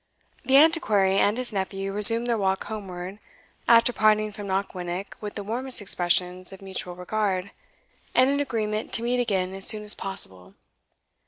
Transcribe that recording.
The Antiquary and his nephew resumed their walk homeward, after parting from Knockwinnock with the warmest expressions of mutual regard, and an agreement to meet again as soon as possible.